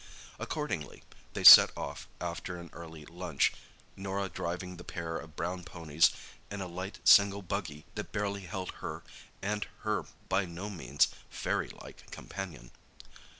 Accordingly they set off after an early lunch, Norah driving the pair of brown ponies in a light single buggy that barely held her and her by no means fairy like companion.